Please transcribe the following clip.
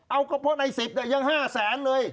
เอากระเพาะในสิบยัง๕๐๐๐๐๐บาทเลย